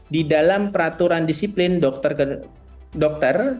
di dalam peraturan disiplin dokter